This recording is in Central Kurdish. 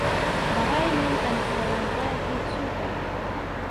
بەڕای من ئەنفلەوەنزایەکی سووکه